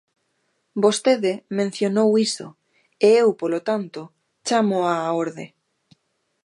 Vostede mencionou iso e eu, polo tanto, chámoa á orde.